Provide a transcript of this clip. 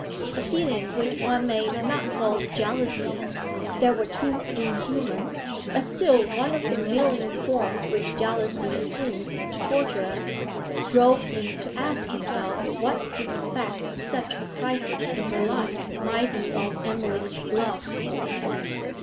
A feeling which one may not call jealousy, that were too inhuman, but still one of the million forms which jealousy assumes to torture us, drove him to ask himself what the effect of such a crisis in her life might be on Emily's love for him.